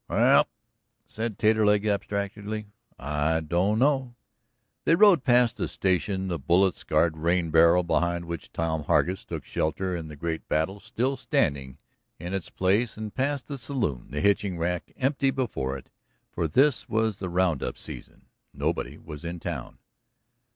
"Well," said Taterleg abstractedly, "I don't know." They rode past the station, the bullet scarred rain barrel behind which Tom Hargus took shelter in the great battle still standing in its place, and past the saloon, the hitching rack empty before it, for this was the round up season nobody was in town.